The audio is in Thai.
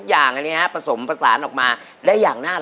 คอยหาย